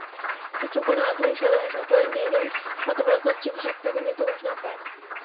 নেত্রকোনা আধুনিক সদর হাসপাতালে নিয়ে গেলে কর্তব্যরত চিকিৎসক তাঁকে মৃত ঘোষণা করেন।